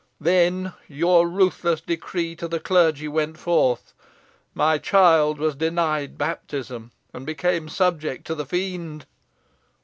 Then your ruthless decree to the clergy went forth. My child was denied baptism, and became subject to the fiend."